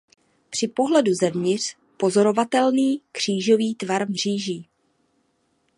Při pohledu zevnitř pozorovatelný křížový tvar mříží.